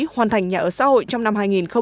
hoàn thành nhà ở xã hội trong năm hai nghìn hai mươi